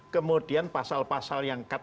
kemudian pasal pasal yang disebut sebagai